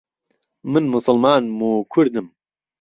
من موسڵمانم و کوردم.